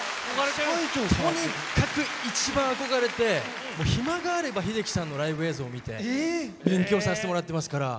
とにかく一番憧れてもう暇があれば秀樹さんのライブ映像を見て勉強させてもらってますから。